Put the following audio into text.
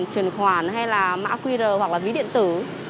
truyền khoản hay là mã qr hoặc là ví điện tử